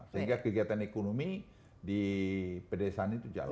sehingga kegiatan ekonomi di pedesaan itu jalan